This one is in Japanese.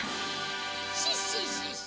シッシッシッシ。